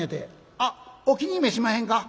「あっお気に召しまへんか？